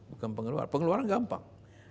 bukan pengeluaran pengeluaran gampang